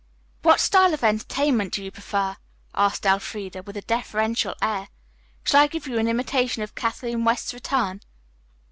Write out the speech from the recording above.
"What style of entertainment do you prefer?" asked Elfreda, with a deferential air. "Shall I give you an imitation of Kathleen West's return?"